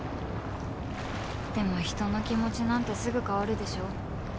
でも人の気持ちなんてすぐ変わるでしょ？